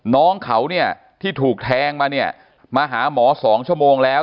น้องเขาเนี่ยที่ถูกแทงมาเนี่ยมาหาหมอ๒ชั่วโมงแล้ว